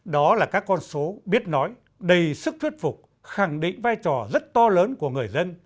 đó là các con số biết nói đầy sức thuyết phục khẳng định vai trò rất to lớn của người dân